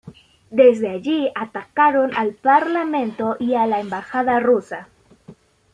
Desde allí atacaron al Parlamento y a la Embajada Rusa.